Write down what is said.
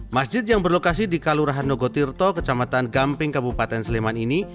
masjid yang berlokasi di kalurahan nogotirto kecamatan gamping kabupaten sleman ini